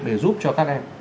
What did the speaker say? để giúp cho các em